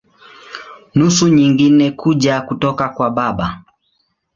Nusu nyingine kuja kutoka kwa baba.